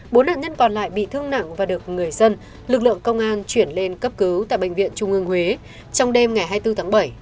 bốn nạn nhân còn lại bị thương nặng và được người dân lực lượng công an chuyển lên cấp cứu tại bệnh viện trung ương huế trong đêm ngày hai mươi bốn tháng bảy